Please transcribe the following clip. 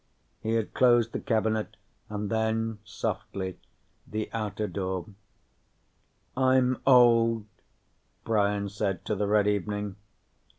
He had closed the cabinet and then, softly, the outer door. "I'm old," Brian said to the red evening.